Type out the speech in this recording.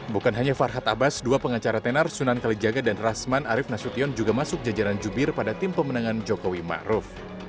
bukan hanya farhad abbas dua pengacara tenar sunan kalijaga dan rasman arief nasution juga masuk jajaran jubir pada tim pemenangan jokowi ⁇ maruf ⁇